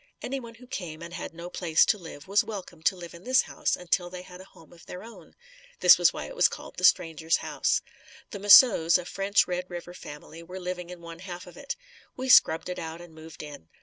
Anyone who came and had no place to live was welcome to live in this house until they had a home of their own. This was why it was called the "Stranger's House." The Mousseau's, a French Red River family were living in one half of it. We scrubbed it out and moved in.